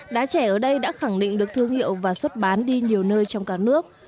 đá trẻ ở đây đã khẳng định được thương hiệu và xuất bán đi nhiều nơi trong cả nước